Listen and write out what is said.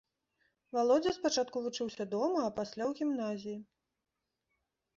Валодзя спачатку вучыўся дома, а пасля ў гімназіі.